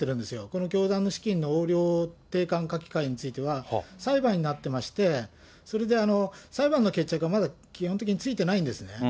この教団の資金の横領、定款書き換えについては裁判になってまして、それで裁判の決着はまだ基本的についてないんですね。